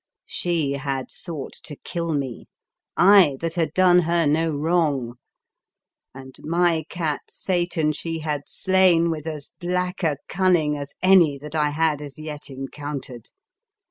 She had sought to kill me — I that had done her no wrong, — and my cat, Satan, she had slain with as black a cunning as any that I had as yet encountered.